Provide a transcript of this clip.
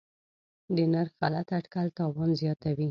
د نرخ غلط اټکل تاوان زیاتوي.